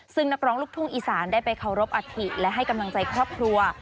ซึ่งนักร้องลูกทุ่งอีสานได้ไปเคารพอัฐิและให้กำลังใจครอบครัว